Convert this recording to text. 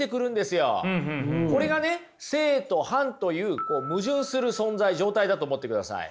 これがね正と反という矛盾する存在状態だと思ってください。